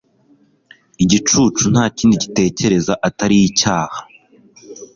igicucu nta kindi gitekereza atari icyaha